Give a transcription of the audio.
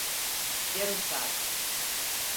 Yarım saat.